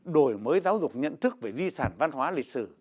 đổi mới giáo dục nhận thức về di sản văn hóa lịch sử